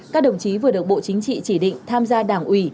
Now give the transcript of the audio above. các đồng chí vừa được bộ chính trị chỉ định tham gia đảng ủy